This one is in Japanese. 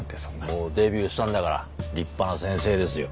もうデビューしたんだから立派な先生ですよ。